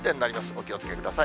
お気をつけください。